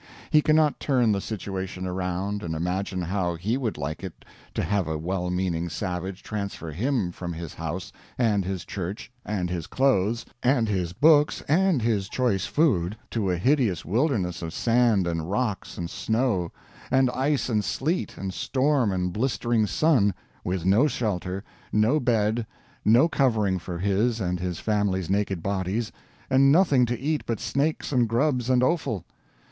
He cannot turn the situation around and imagine how he would like it to have a well meaning savage transfer him from his house and his church and his clothes and his books and his choice food to a hideous wilderness of sand and rocks and snow, and ice and sleet and storm and blistering sun, with no shelter, no bed, no covering for his and his family's naked bodies, and nothing to eat but snakes and grubs and 'offal.